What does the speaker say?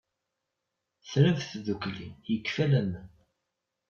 Trab tdukli, yekfa laman.